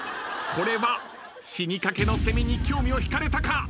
これは死にかけのセミに興味を引かれたか？